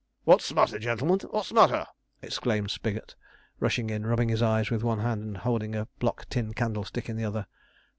'What's smatter, gentlemen? What's smatter?' exclaimed Spigot rushing in, rubbing his eyes with one hand, and holding a block tin candlestick in the other.